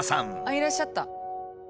いらっしゃった！